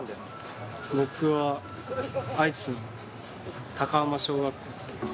僕は愛知の高浜小学校です。